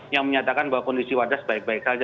yang menyatakan bahwa kondisi wadas baik baik saja